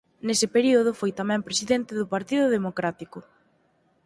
Nese período foi tamén presidente do Partido Democrático.